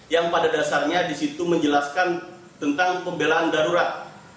yang pada dasarnya disitu menjelaskan tentang pembelaan darurat